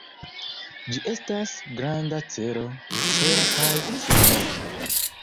Ĝi estas granda ĉelo, sfera kaj senmova.